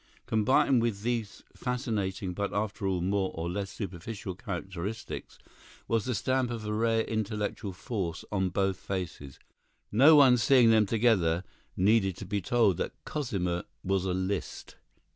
Combined with these fascinating, but after all more or less superficial characteristics was the stamp of a rare intellectual force on both faces. No one seeing them together needed to be told that Cosima was a Liszt.